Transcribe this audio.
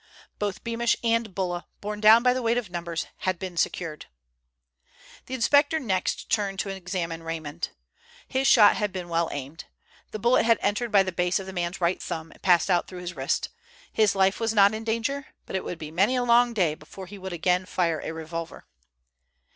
Both Beamish and Bulla, borne down by the weight of numbers, had been secured. The inspector next turned to examine Raymond. His shot had been well aimed. The bullet had entered the base of the man's right thumb, and passed out through his wrist. His life was not in danger, but it would be many a long day before he would again fire a revolver.